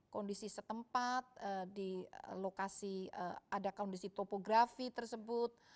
kondisi setempat di lokasi ada kondisi topografi tersebut